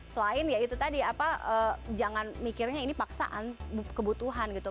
selain ya itu tadi apa jangan mikirnya ini paksaan kebutuhan gitu